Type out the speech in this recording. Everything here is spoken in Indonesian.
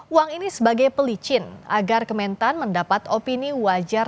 uang ini sebagai pelicin agar kementan mendapat opini wajar